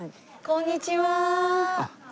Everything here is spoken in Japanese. こんにちは。